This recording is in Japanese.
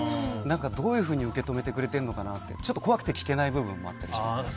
どういうふうに受け止めてくれてるのかなってちょっと怖くて聞けない部分もあったりしますね。